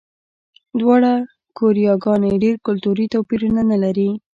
دواړه کوریاګانې ډېر کلتوري توپیرونه نه لري.